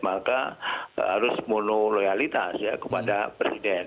maka harus menu loyalitas ya kepada presiden